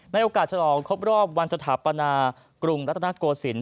ในโอกาสชนะออกครบรอบวันสถาปนากรุงรัฐนาโกสินต์